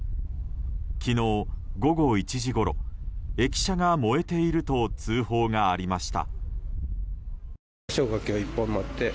昨日午後１時ごろ駅舎が燃えていると通報がありました。